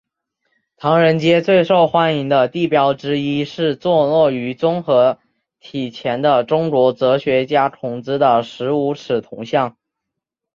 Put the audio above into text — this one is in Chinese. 唐人街最受欢迎的地标之一是坐落于综合体前的中国哲学家孔子的十五尺铜像。